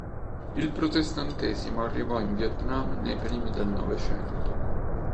Il protestantesimo arrivò in Vietnam nei primi del Novecento.